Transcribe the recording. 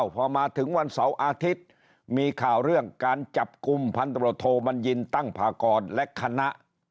พอมาถึงวันเสาร์อาทิตย์มีข่าวเรื่องการจับกลุ่มพันตรวจโทบัญญินตั้งพากรและคณะ